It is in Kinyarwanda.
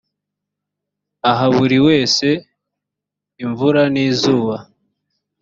aha buri wese imvura n izuba